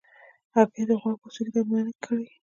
هګۍ د غوړ پوستکي درملنه کې کارېږي.